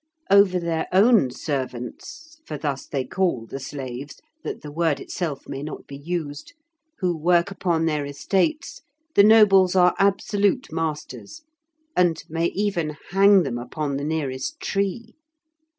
Over their own servants (for thus they call the slaves, that the word itself may not be used), who work upon their estates, the nobles are absolute masters, and may even hang them upon the nearest tree.